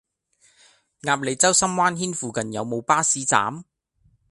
鴨脷洲深灣軒附近有無巴士站？